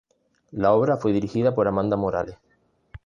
La obra fue dirigida por Amanda Morales.